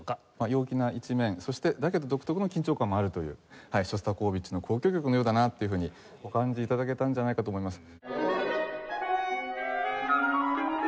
陽気な一面そしてだけど独特の緊張感もあるというショスタコーヴィチの交響曲のようだなっていうふうにお感じ頂けたんじゃないかと思います。